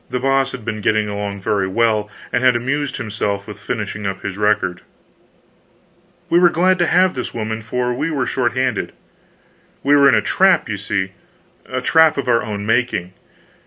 The Boss had been getting along very well, and had amused himself with finishing up his record. We were glad to have this woman, for we were short handed. We were in a trap, you see a trap of our own making.